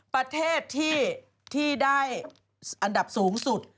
ประเทศที่ได้อันดับสูงสุด